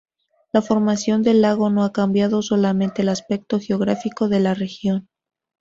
La formación del lago no ha cambiado solamente el aspecto geográfico de la región.